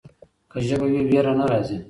که ژبه وي ویره نه راځي.